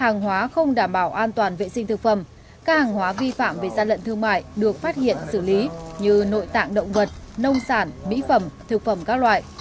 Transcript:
cảm bảo an toàn vệ sinh thực phẩm các hàng hóa vi phạm về xa lận thương mại được phát hiện xử lý như nội tạng động vật nông sản mỹ phẩm thực phẩm các loại